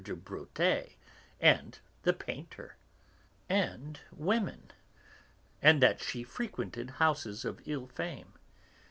de Bréauté and the painter) and women, and that she frequented houses of ill fame.